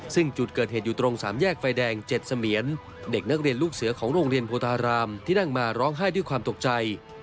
ซึ่งจุดเกิดเหตุอยู่ตรงสามแยกไฟแดง๗เสมียนเด็กนักเรียนลูกเสือของโรงเรียนโพธารามที่นั่งมาร้องไห้ด้วยความตกใจ